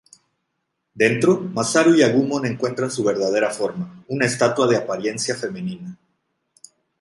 Dentro, Masaru y Agumon encuentran su verdadera forma: una estatua de apariencia femenina.